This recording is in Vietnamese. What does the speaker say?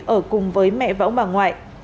ở cùng với mẹ và ông bà nguyễn